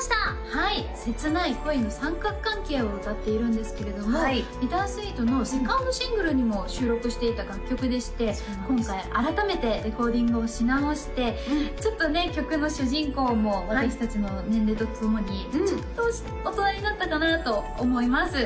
はい切ない恋の三角関係を歌っているんですけれどもＢｉｔｔｅｒ＆Ｓｗｅｅｔの２ｎｄシングルにも収録していた楽曲でして今回改めてレコーディングをし直してちょっとね曲の主人公も私達の年齢とともにちょっと大人になったかなと思います